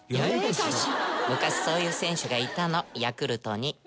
昔そういう選手がいたのヤクルトに。